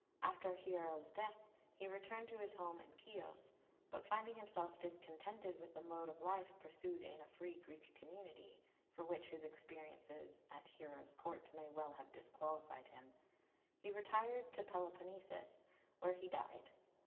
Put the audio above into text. After Hiero's death he returned to his home in Keos; but finding himself discontented with the mode of life pursued in a free Greek community, for which his experiences at Hiero's Court may well have disqualified him, he retired to Peloponnesus, where he died.